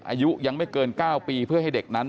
อายุยังไม่เกิน๙ปีเพื่อให้เด็กนั้น